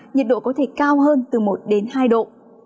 nhiệt độ có thể cao hơn từ một đến hai độ